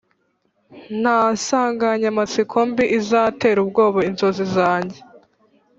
nta nsanganyamatsiko mbi izatera ubwoba inzozi zanjye